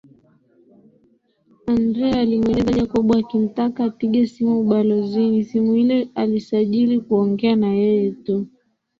Andrea alimweleza Jacob akimtaka apige simu ubalozini simu ile alisajili kuongea na yeye tu